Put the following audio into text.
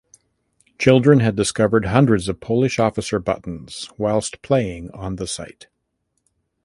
Children had discovered hundreds of Polish officer buttons whilst playing on the site.